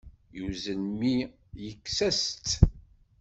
Yuzzel mmi yekkes-as-tt.